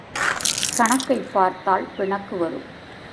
கணக்கைப் பார்த்தால் பிணக்கு வரும்.